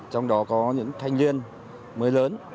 trong đó có những thanh niên mới lớn